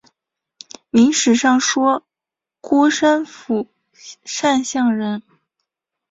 明史上说郭山甫善相人。